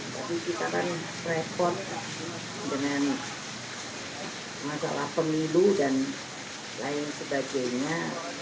tapi kita kan repot dengan masalah pemilu dan lain sebagainya